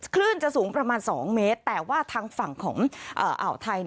คลื่นจะสูงประมาณ๒เมตรแต่ว่าทางฝั่งของอ่าวไทย